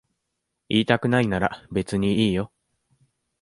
言いたくないなら別にいいよ。